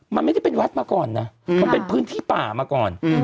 มันไม่ได้เป็นวัดมาก่อนนะมันเป็นพื้นที่ป่ามาก่อน